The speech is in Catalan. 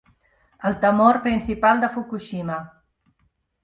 El temor principal de Fukushima.